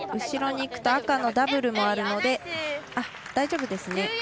後ろにいくと赤のダブルもあるので大丈夫ですね。